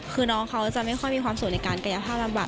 คือน้องเขาจะไม่ค่อยมีความสุขในการกายภาพลำบาก